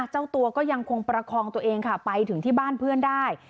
เจ้าตัวก็ยังคงประคองตัวเองค่ะไปถึงที่บ้านเพื่อนได้